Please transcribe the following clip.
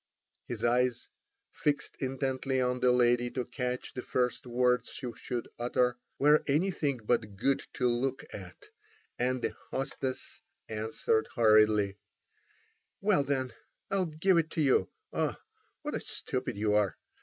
His eyes, fixed intently on the lady to catch the first word she should utter, were anything but good to look at, and the hostess answered hurriedly: "Well, then, I'll give it to you. Ah! what a stupid you are!